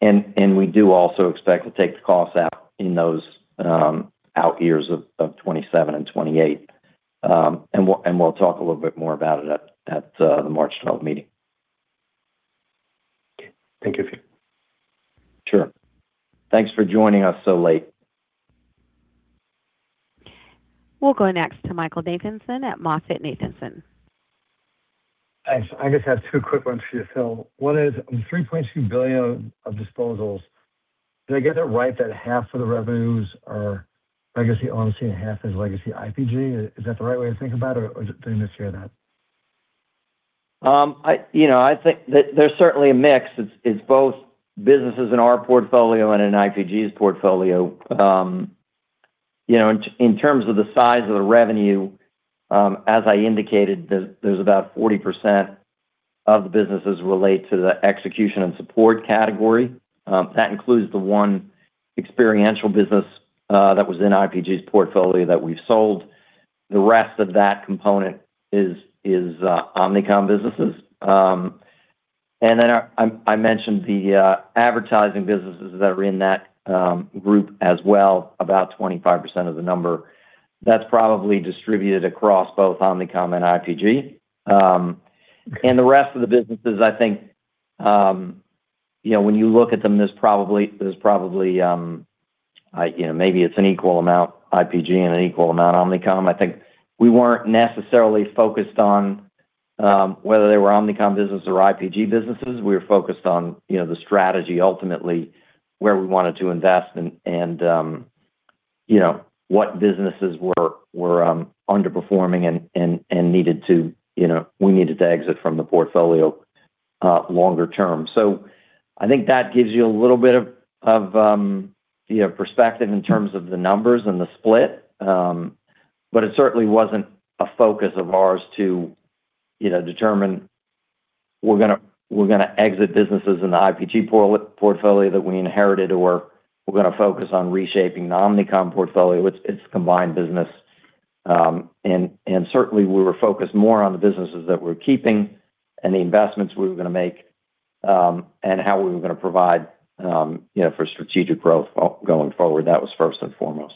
And we do also expect to take the costs out in those out years of 2027 and 2028. And we'll talk a little bit more about it at the March 12th meeting. Okay. Thank you. Sure. Thanks for joining us so late. We'll go next to Michael Nathanson at MoffettNathanson. Thanks. I just have two quick ones for you. So one is, the $3.2 billion of disposals, did I get it right that half of the revenues are Legacy Omnicom, half is Legacy IPG? Is that the right way to think about it, or did I mishear that? I think that there's certainly a mix. It's both businesses in our portfolio and in IPG's portfolio. You know, in terms of the size of the revenue, as I indicated, there's about 40% of the businesses relate to the execution and support category. That includes the one Experiential business that was in IPG's portfolio that we've sold. The rest of that component is Omnicom businesses. I mentioned the advertising businesses that are in that group as well, about 25% of the number. That's probably distributed across both Omnicom and IPG. The rest of the businesses, I think, you know, when you look at them, there's probably, there's probably, you know, maybe it's an equal amount IPG and an equal amount Omnicom. I think we weren't necessarily focused on whether they were Omnicom businesses or IPG businesses. We were focused on, you know, the strategy, ultimately, where we wanted to invest and, you know, what businesses were underperforming and needed to-- You know, we needed to exit from the portfolio longer term. So I think that gives you a little bit of, you know, perspective in terms of the numbers and the split. But it certainly wasn't a focus of ours to, you know, determine we're gonna exit businesses in the IPG portfolio that we inherited, or we're gonna focus on reshaping the Omnicom portfolio, it's combined business. Certainly, we were focused more on the businesses that we're keeping and the investments we were gonna make, and how we were gonna provide, you know, for strategic growth going forward. That was first and foremost.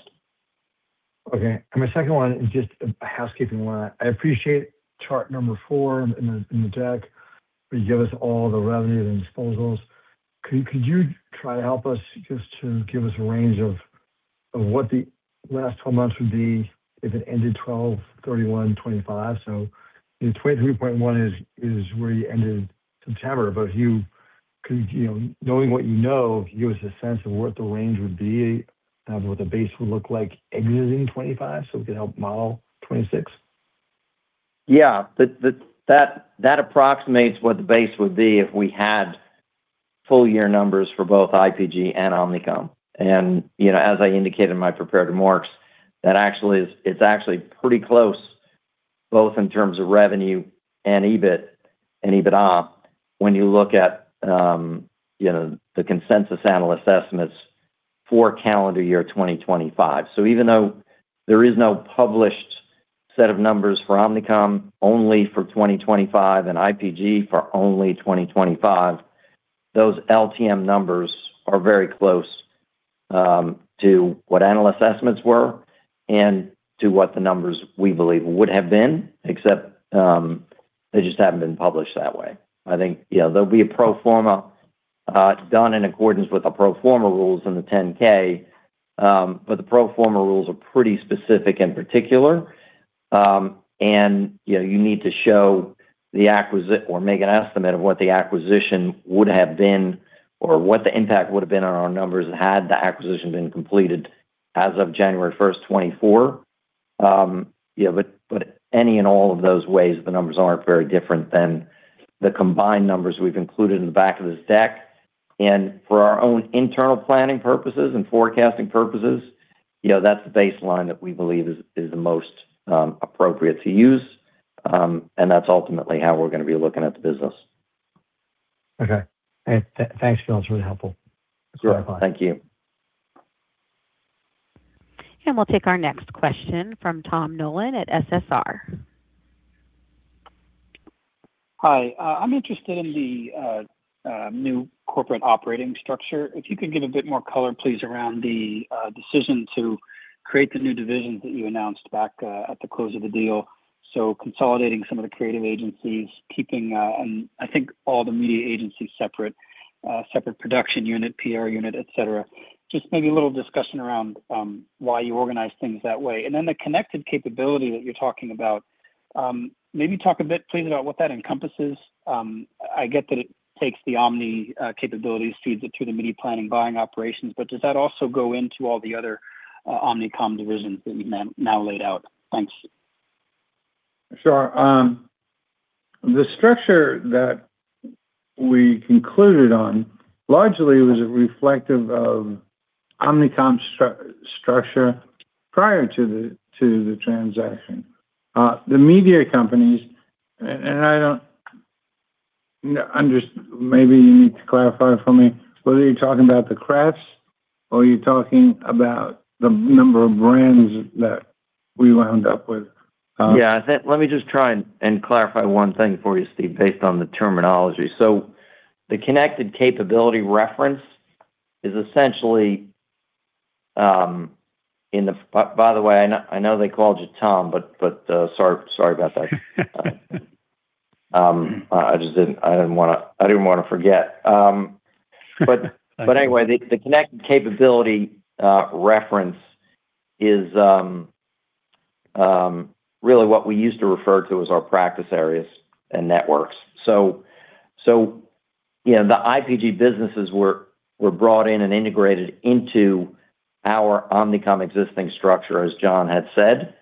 Okay. And my second one is just a housekeeping one. I appreciate chart 4 in the deck, where you give us all the revenue and disposals. Could you try to help us just to give us a range of what the last 12 months would be if it ended 12/31/2025? So the $23.1 billion is where you ended September, but if you could, you know, knowing what you know, give us a sense of what the range would be of what the base would look like exiting 2025 so we could help model 2026? Yeah. That approximates what the base would be if we had full-year numbers for both IPG and Omnicom. And, you know, as I indicated in my prepared remarks, that actually is. It's actually pretty close, both in terms of revenue and EBIT and EBITDA, when you look at, you know, the consensus analyst estimates for calendar year 2025. So even though there is no published set of numbers for Omnicom, only for 2025 and IPG for only 2025, those LTM numbers are very close to what analyst estimates were and to what the numbers we believe would have been, except they just haven't been published that way. I think, you know, there'll be a pro forma done in accordance with the pro forma rules in the 10-K, but the pro forma rules are pretty specific and particular. And, you know, you need to show the acquisition or make an estimate of what the acquisition would have been, or what the impact would've been on our numbers had the acquisition been completed as of January 1st, 2024. Yeah, but any and all of those ways, the numbers aren't very different than the combined numbers we've included in the back of this deck. And for our own internal planning purposes and forecasting purposes, you know, that's the baseline that we believe is the most appropriate to use, and that's ultimately how we're gonna be looking at the business. Okay. Thanks, Phil. It's really helpful. Sure. Thank you. We'll take our next question from Tim Nollen at SSR. Hi, I'm interested in the new corporate operating structure. If you could give a bit more color, please, around the decision to create the new divisions that you announced back at the close of the deal. So consolidating some of the creative agencies, keeping and I think all the media agencies separate, separate production unit, PR unit, et cetera. Just maybe a little discussion around why you organize things that way. And then the connected capability that you're talking about, maybe talk a bit please about what that encompasses. I get that it takes the Omni capabilities, feeds it through the media planning, buying operations, but does that also go into all the other Omnicom divisions that you've now laid out? Thanks. Sure. The structure that we concluded on largely was reflective of Omnicom structure prior to the transaction. The media companies, and I don't— Maybe you need to clarify for me, whether you're talking about the crafts, or you're talking about the number of brands that we wound up with. Yeah, let me just try and clarify one thing for you, Steve, based on the terminology. So the connected capability reference is essentially—By the way, I know they called you Tom, but sorry about that. I just didn't wanna forget. But anyway, the connected capability reference is really what we used to refer to as our practice areas and networks. So, you know, the IPG businesses were brought in and integrated into our Omnicom existing structure, as John had said.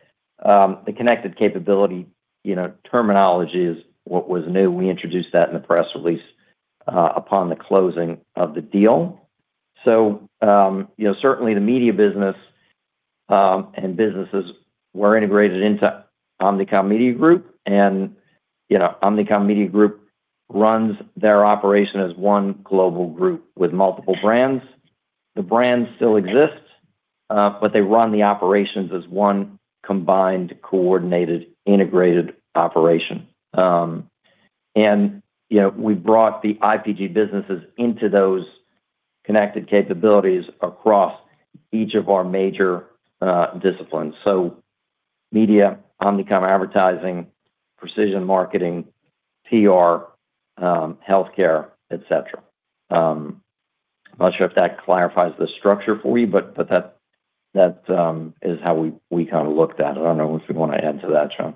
The connected capability, you know, terminology is what was new. We introduced that in the press release upon the closing of the deal. So, you know, certainly the Media business and businesses were integrated into Omnicom Media Group. You know, Omnicom Media Group runs their operation as one global group with multiple brands. The brands still exist, but they run the operations as one combined, coordinated, integrated operation. And, you know, we brought the IPG businesses into those connected capabilities across each of our major disciplines. So Media, Omnicom Advertising, Precision Marketing, PR, Healthcare, et cetera. I'm not sure if that clarifies the structure for you, but that is how we kind of looked at it. I don't know what you want to add to that, John.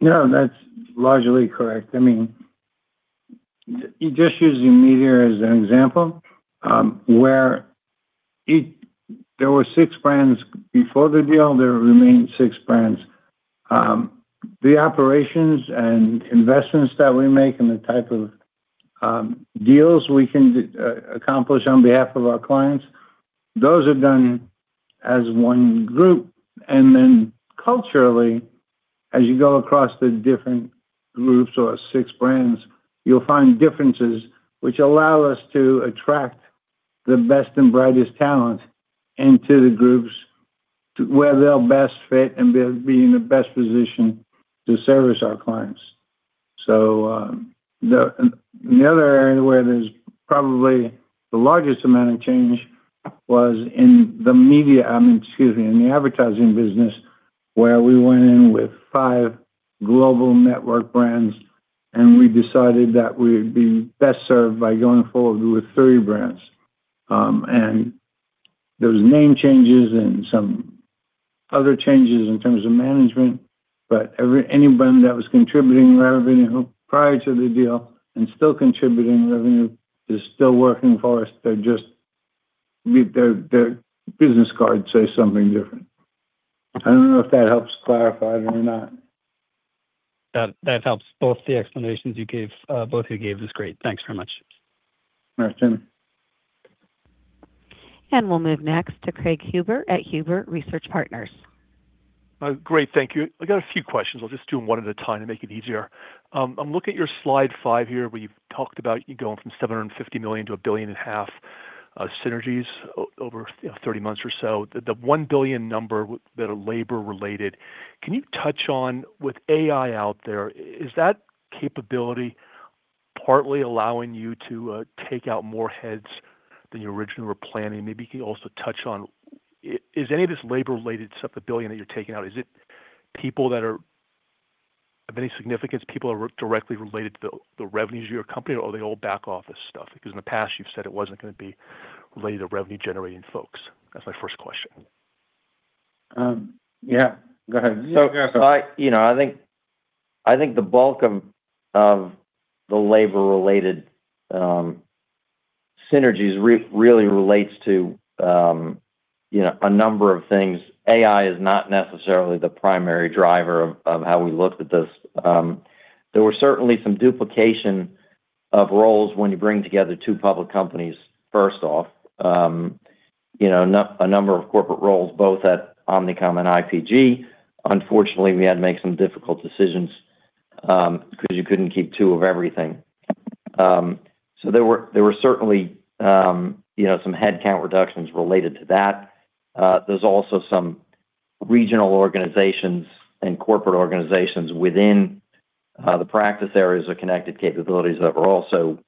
No, that's largely correct. I mean, just using Media as an example, where there were six brands before the deal, there remain six brands. The operations and investments that we make, and the type of deals we can accomplish on behalf of our clients, those are done as one group. And then culturally, as you go across the different groups or six brands, you'll find differences which allow us to attract the best and brightest talent into the groups to where they'll best fit and be in the best position to service our clients. So, another area where there's probably the largest amount of change was in the Media, in the Advertising business, where we went in with five global network brands, and we decided that we'd be best served by going forward with three brands. There was name changes and some other changes in terms of management, but anyone that was contributing revenue prior to the deal and still contributing revenue is still working for us. They're just, their business card say something different. I don't know if that helps clarify or not. That, that helps both the explanations you gave, both of you gave is great. Thanks very much. You're welcome. We'll move next to Craig Huber at Huber Research Partners. Great, thank you. I got a few questions. I'll just do them one at a time to make it easier. I'm looking at your Slide 5 here, where you've talked about you going from $750 million to $1.5 billion, synergies over, you know, 30 months or so. The, the $1 billion number that are labor-related, can you touch on, with AI out there, is that capability partly allowing you to, take out more heads than you originally were planning? Maybe you can also touch on is any of this labor-related stuff, the billion that you're taking out, is it people that are of any significance, people are directly related to the, the revenues of your company, or are they all back office stuff? Because in the past, you've said it wasn't gonna be related to revenue-generating folks. That's my first question. Yeah, go ahead. So I, you know, I think the bulk of the labor-related synergies really relates to, you know, a number of things. AI is not necessarily the primary driver of how we looked at this. There were certainly some duplication of roles when you bring together two public companies, first off. You know, a number of corporate roles, both at Omnicom and IPG. Unfortunately, we had to make some difficult decisions, because you couldn't keep two of everything. So there were certainly some headcount reductions related to that. There's also some regional organizations and corporate organizations within the practice areas of connected capabilities that were also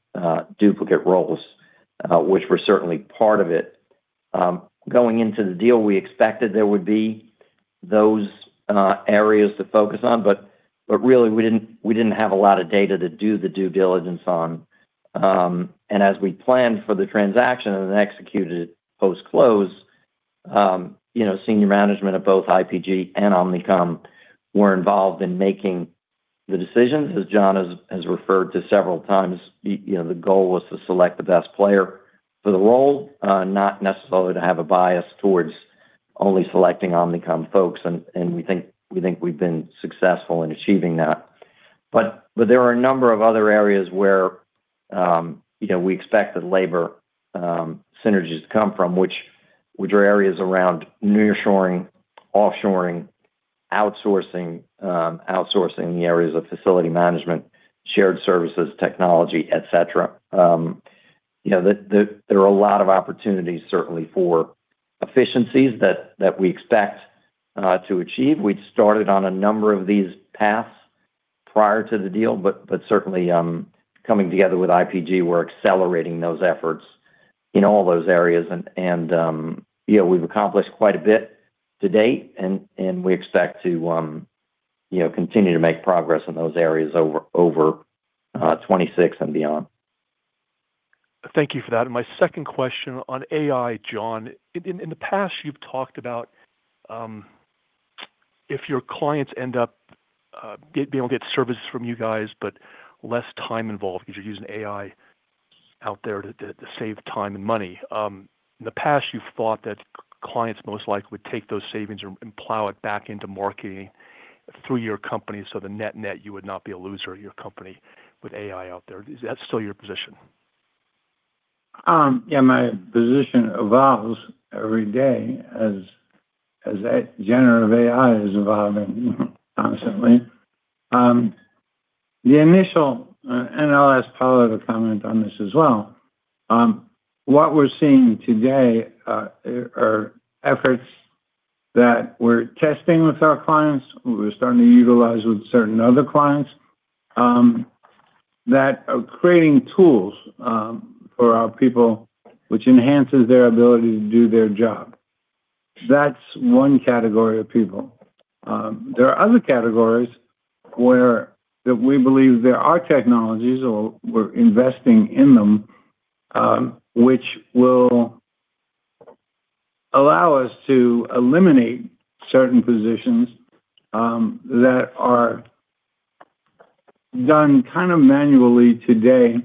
duplicate roles, which were certainly part of it. Going into the deal, we expected there would be those areas to focus on, but really, we didn't have a lot of data to do the due diligence on. And as we planned for the transaction and then executed it post-close, you know, senior management of both IPG and Omnicom were involved in making the decisions. As John has referred to several times, you know, the goal was to select the best player for the role, not necessarily to have a bias towards only selecting Omnicom folks, and we think we've been successful in achieving that. But there are a number of other areas where, you know, we expect the labor synergies to come from, which are areas around nearshoring, offshoring, outsourcing, outsourcing the areas of facility management, shared services, technology, et cetera. You know, there are a lot of opportunities, certainly, for efficiencies that we expect to achieve. We'd started on a number of these paths prior to the deal, but certainly, coming together with IPG, we're accelerating those efforts in all those areas. And you know, we've accomplished quite a bit to date, and we expect to, you know, continue to make progress in those areas over 2026 and beyond. Thank you for that. And my second question on AI, John. In the past, you've talked about if your clients end up getting services from you guys, but less time involved because you're using AI out there to save time and money. In the past, you've thought that clients most likely would take those savings and plow it back into marketing through your company, so the net-net, you would not be a loser at your company with AI out there. Is that still your position? Yeah, my position evolves every day as AI, generative AI is evolving constantly. And I'll ask Paolo to comment on this as well. What we're seeing today are efforts that we're testing with our clients, we're starting to utilize with certain other clients, that are creating tools for our people, which enhances their ability to do their job. That's one category of people. There are other categories where that we believe there are technologies or we're investing in them, which will allow us to eliminate certain positions that are done kind of manually today,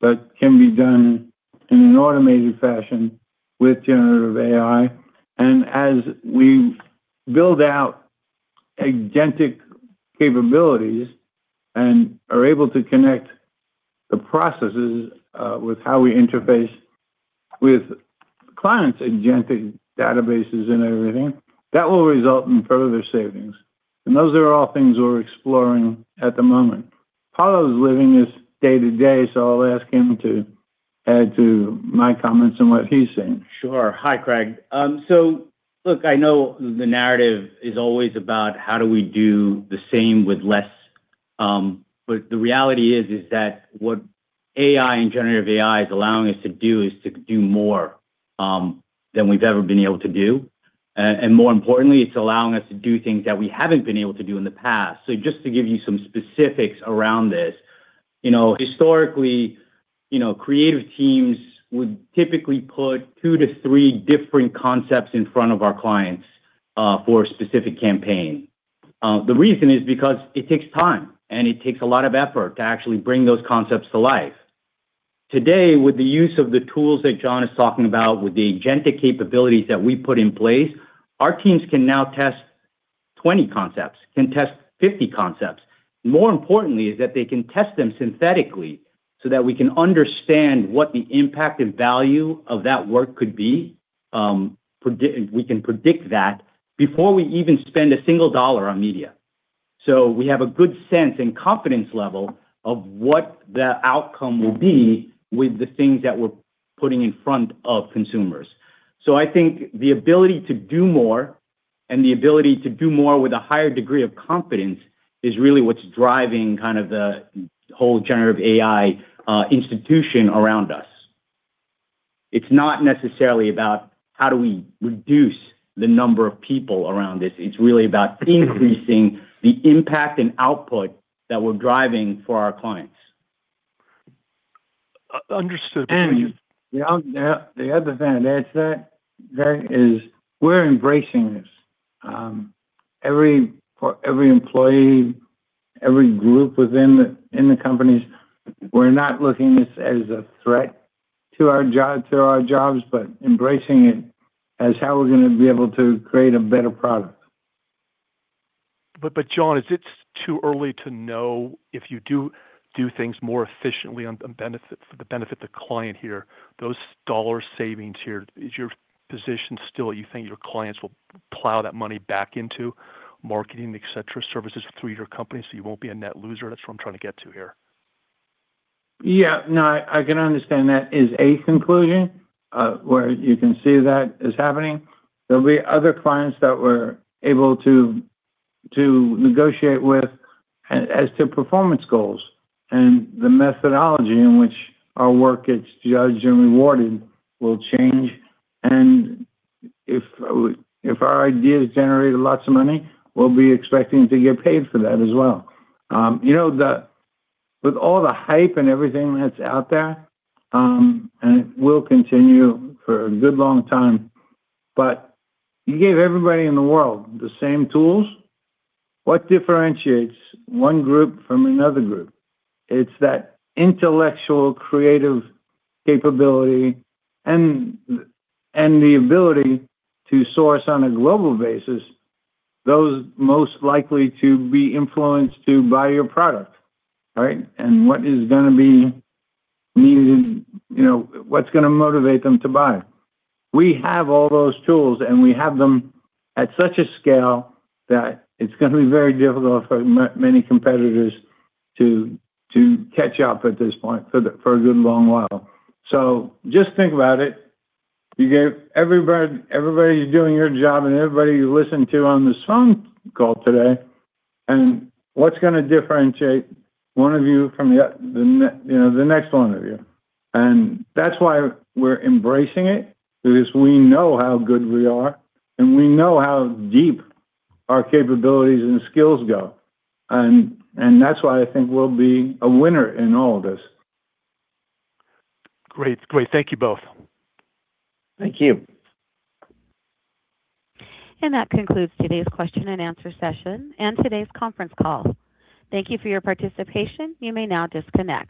but can be done in an automated fashion with generative AI. As we build out agentic capabilities and are able to connect the processes with how we interface with clients, agentic databases and everything, that will result in further savings, and those are all things we're exploring at the moment. Paolo is living this day to day, so I'll ask him to add to my comments and what he's seeing. Sure. Hi, Craig. So look, I know the narrative is always about how do we do the same with less, but the reality is that what AI and generative AI is allowing us to do is to do more than we've ever been able to do. And more importantly, it's allowing us to do things that we haven't been able to do in the past. So just to give you some specifics around this, you know, historically, you know, creative teams would typically put two to three different concepts in front of our clients for a specific campaign. The reason is because it takes time, and it takes a lot of effort to actually bring those concepts to life. Today, with the use of the tools that John is talking about, with the agentic capabilities that we put in place, our teams can now test 20 concepts, can test 50 concepts. More importantly, is that they can test them synthetically, so that we can understand what the impact and value of that work could be. We can predict that before we even spend a single dollar on Media. So we have a good sense and confidence level of what the outcome will be with the things that we're putting in front of consumers. So I think the ability to do more and the ability to do more with a higher degree of confidence is really what's driving kind of the whole generative AI institution around us. It's not necessarily about how do we reduce the number of people around this, it's really about increasing the impact and output that we're driving for our clients. Understood. And the other thing to add to that is, we're embracing this. Every employee, every group within the companies, we're not looking at this as a threat to our jobs, but embracing it as how we're gonna be able to create a better product. But, John, is it too early to know if you do things more efficiently on benefit for the benefit of the client here, those dollar savings here, is your position still you think your clients will plow that money back into marketing et cetera services through your company, so you won't be a net loser? That's what I'm trying to get to here. Yeah, no, I can understand that is a conclusion where you can see that is happening. There'll be other clients that we're able to negotiate with as to performance goals, and the methodology in which our work gets judged and rewarded will change. And if our ideas generate lots of money, we'll be expecting to get paid for that as well. You know, with all the hype and everything that's out there, and it will continue for a good long time, but you gave everybody in the world the same tools. What differentiates one group from another group? It's that intellectual, creative capability and the ability to source on a global basis, those most likely to be influenced to buy your product, right? And what is gonna be needed, you know, what's gonna motivate them to buy? We have all those tools, and we have them at such a scale that it's gonna be very difficult for many competitors to catch up at this point for a good long while. So just think about it. You gave everybody, everybody who's doing your job and everybody you listened to on this phone call today, and what's gonna differentiate one of you from the other, you know, the next one of you? And that's why we're embracing it, because we know how good we are, and we know how deep our capabilities and skills go. And that's why I think we'll be a winner in all of this. Great. Great. Thank you both. Thank you. That concludes today's question-and-answer session and today's conference call. Thank you for your participation. You may now disconnect.